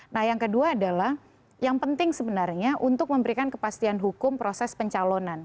nah yang kedua adalah yang penting sebenarnya untuk memberikan kepastian hukum proses pencalonan